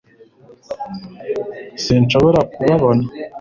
sinshobora kubabona